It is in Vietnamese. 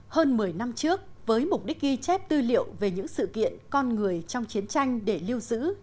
hơn một mươi năm trước với mục đích ghi chép tư liệu về những sự kiện con người trong chiến tranh để lưu giữ